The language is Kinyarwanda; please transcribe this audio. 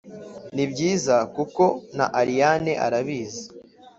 nibyiza kuko na allayne arabizi.